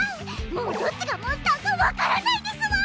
もうどっちがモンスターか分からないですわ！